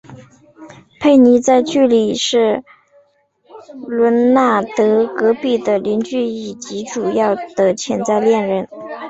佩妮在剧集里是伦纳德隔壁的邻居以及主要的潜在恋人。